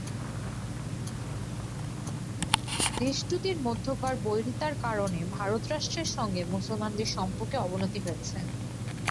দেশ দুটির মধ্যকার বৈরিতার কারণে ভারত রাষ্ট্রের সঙ্গে মুসলমানদের সম্পর্কের অবনতি হয়েছে।